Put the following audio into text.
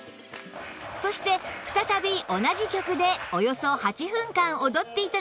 そして再び同じ曲でおよそ８分間踊って頂きます